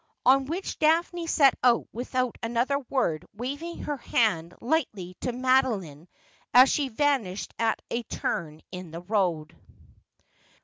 On which Daphne set out without another word, waving her hand lightly to Madeline as she vanished at a turn in the road.